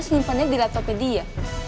simpan nya di laptopnya dia